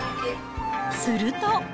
すると。